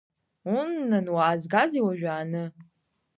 Уннан, уаазгазеи уажәааны!